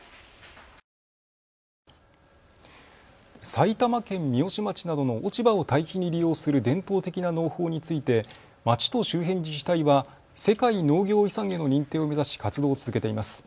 埼玉県三芳町などの落ち葉を堆肥に利用する伝統的な農法について町と周辺自治体は世界農業遺産への認定を目指し活動を続けています。